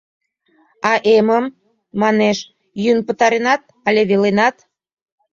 — А эмым, — манеш, — йӱын пытаренат але веленат?